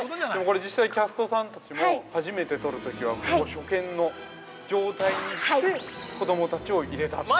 ◆これ、実際キャストさんたちも初めて撮るときは、ここ初見の状態にして子供たちを入れたという。